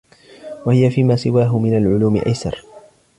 وَهِيَ فِيمَا سِوَاهُ مِنْ الْعُلُومِ أَيْسَرُ